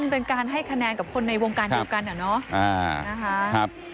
เป็นการให้คะแนนกับคนในวงการอยู่กันอ่ะเนอะอ่าครับ